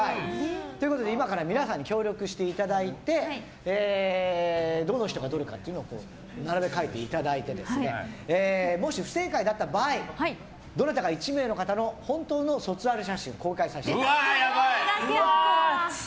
今から皆さんに協力していただいてどの人がどれかを並べ替えていただいてもし不正解だった場合どなたか１名の方の本当の卒アル写真を公開させていただきます。